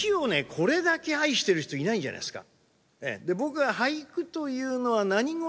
これだけ愛してる人いないんじゃないですか？